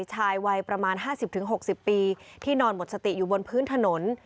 ชายวัยประมาณ๕๐๖๐ปีที่นอนหมดสติอยู่บนพื้นถนน